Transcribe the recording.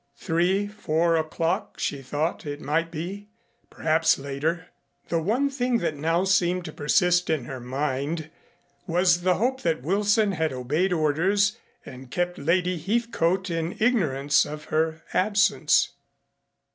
Three four o'clock she thought it might be perhaps later. The one thing that now seemed to persist in her mind was the hope that Wilson had obeyed orders and kept Lady Heathcote in ignorance of her absence.